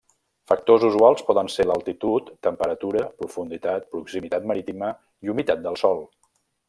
Factors usuals poden ser l'altitud, temperatura, profunditat, proximitat marítima, i humitat del sol.